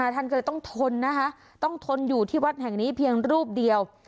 ท่านก็เลยต้องทนนะคะต้องทนอยู่ที่วัดแห่งนี้เพียงรูปเดียว